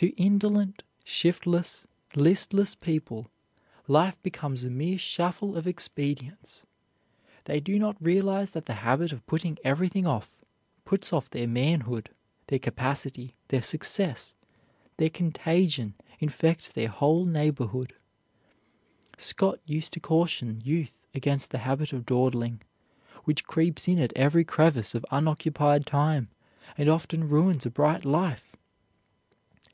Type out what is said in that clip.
To indolent, shiftless, listless people life becomes a mere shuffle of expedients. They do not realize that the habit of putting everything off puts off their manhood, their capacity, their success; their contagion infects their whole neighborhood. Scott used to caution youth against the habit of dawdling, which creeps in at every crevice of unoccupied time and often ruins a bright life.